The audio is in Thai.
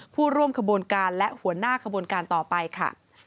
ผู้ร่วมขบวนการและหัวหน้าขบวนการต่อไปค่ะ